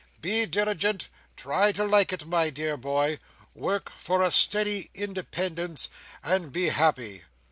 Be diligent, try to like it, my dear boy, work for a steady independence, and be happy!"